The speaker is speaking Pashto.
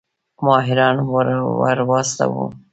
ماهران ورواستوو.